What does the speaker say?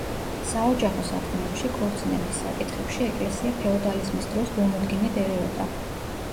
საოჯახო საქმეებში, ქორწინების საკითხებში ეკლესია ფეოდალიზმის დროს გულმოდგინედ ერეოდა.